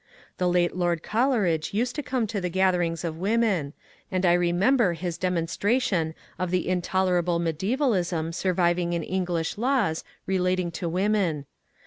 The late Lord Coleridge used to come to the gath erings of women, and I remember his demonstration of the intolerable mediaevalism surviving in English laws relating to women.